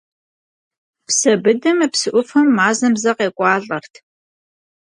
Псэбыдэ мы псы ӏуфэм мазэм зэ къекӏуалӏэт.